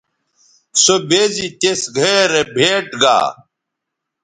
سو بے زی تِس گھئے رے بھئیٹ گا